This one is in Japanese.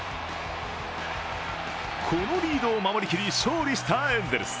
このリードを守りきり勝利したエンゼルス。